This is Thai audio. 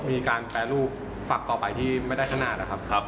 มีการแปรรูปฝักต่อไปที่ไม่ได้ขนาดนะครับ